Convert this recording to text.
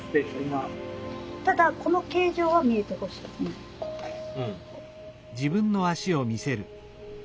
ただこの形状は見えてほしい。